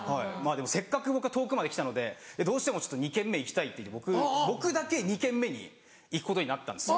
でもせっかく僕は遠くまで来たのでどうしても２軒目行きたいって僕だけ２軒目に行くことになったんです。